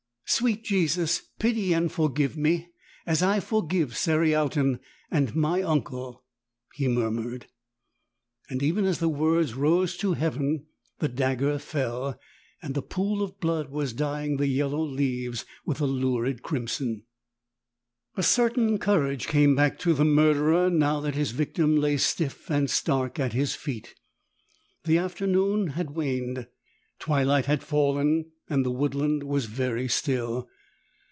"Sweet Jesus ! pity and forgive me — as I forgive Cerial ton and my uncle," he murmured. And even as the words rose to Heaven the dagger fell, and a pool of blood was dyeing the yellow leaves with a lurid crimson. A certain courage came back to the murderer now that his victim lay stiff and stark at his feet. The afternoon had waned : twilight had fallen and the woodland was very still.